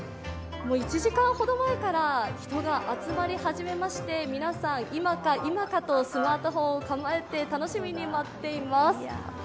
１時間ほど前から人が集まり始めまして皆さん、今か今かとスマートフォンを構えて楽しみに待っています。